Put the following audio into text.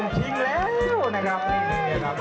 นี่เรามีบาทนะครับ